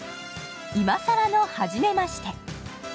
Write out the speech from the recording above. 「今更のはじめまして」。